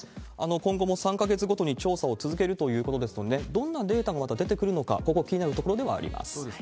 今後も３か月ごとに調査を続けるということですので、どんなデータがまた出てくるのか、ここ、気になるところではあります。